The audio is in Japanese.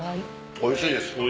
おいしいです！